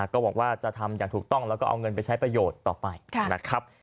ก็หวังว่าจะทำอย่างถูกต้องแล้วก็เอาเงินไปใช้ประโยชน์ต่อไปนะครับ